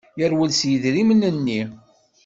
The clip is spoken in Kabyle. Yerwel s yidrimen-nni.